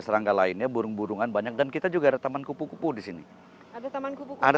serangga lainnya burung burungan banyak dan kita juga ada taman kupu kupu di sini ada taman kupu ada